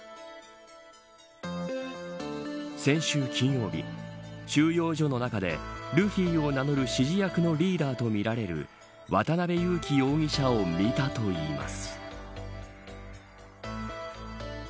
先週金曜日収容所の中でルフィを名乗る指示役のリーダーとみられる渡辺優樹容疑者を見たといいます。